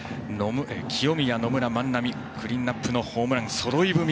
清宮、野村、万波クリーンナップのホームランそろい踏み。